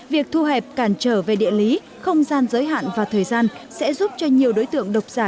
việc thu hẹp cản trở về địa lý không gian giới hạn và thời gian sẽ giúp cho nhiều đối tượng độc giả